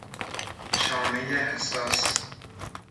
شامهی حساس